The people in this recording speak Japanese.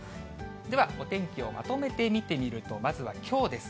ではお天気をまとめて見てみると、まずはきょうです。